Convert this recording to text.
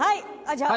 じゃあ。